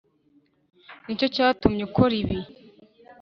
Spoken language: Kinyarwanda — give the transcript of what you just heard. nicyo cyatumye ukora ibi